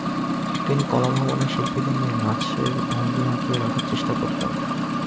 তিনি কলাভবনের শিল্পীদের দিয়ে নাচের ভঙ্গি আঁকিয়ে রাখার চেষ্টা করতেন।